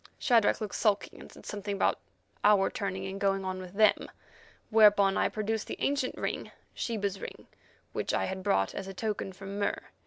Shadrach looked sulky, and said something about our turning and going on with them, whereon I produced the ancient ring, Sheba's ring, which I had brought as a token from Mur.